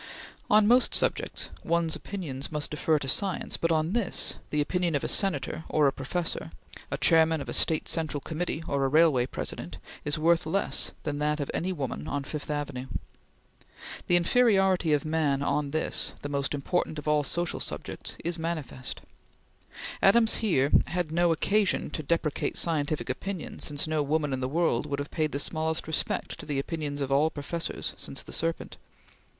On most subjects, one's opinions must defer to science, but on this, the opinion of a Senator or a Professor, a chairman of a State Central Committee or a Railway President, is worth less than that of any woman on Fifth Avenue. The inferiority of man on this, the most important of all social subjects, is manifest. Adams had here no occasion to deprecate scientific opinion, since no woman in the world would have paid the smallest respect to the opinions of all professors since the serpent.